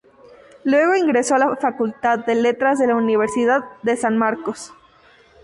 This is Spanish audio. Luego ingresó a la Facultad de Letras de la Universidad de San Marcos.